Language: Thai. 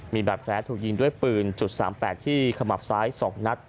มีบาดแผลถูกยิงด้วยปืน๓๘ที่ขมับซ้าย๒นัด